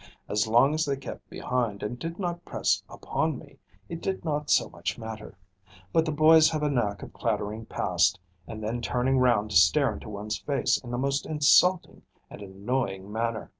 As long as they kept behind and did not press upon me, it did not so much matter; but the boys have a knack of clattering past, and then turning round to stare into one's face in the most insulting and annoying manner.